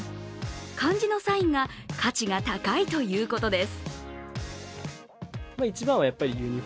漢字のサインが価値が高いということです。